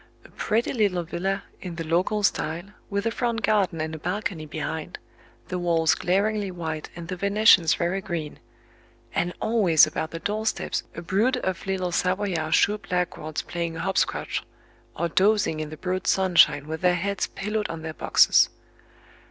A pretty little villa in the local style, with a front garden and a balcony behind, the walls glaringly white and the venetians very green; and always about the doorsteps a brood of little Savoyard shoe blackguards playing hopscotch, or dozing in the broad sunshine with their heads pillowed on their boxes.